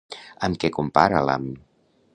Amb què compara l'ham?